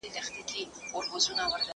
هغه څوک چي مېوې وچوي قوي وي!!